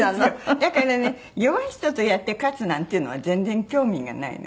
だからね弱い人とやって勝つなんていうのは全然興味がないの。